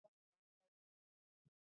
Chuma majani ya matembele